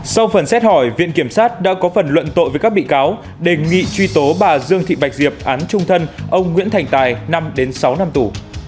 sau phần xét hỏi viện kiểm sát đã có phần luận tội với các bị cáo đề nghị truy tố bà dương thị bạch diệp án trung thân ông nguyễn thành tài năm sáu năm tù